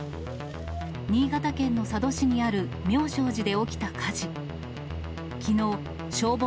新潟県の佐渡市にある妙照寺で起きた火事。